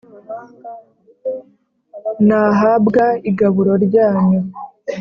Nahabwa igaburo ryanyu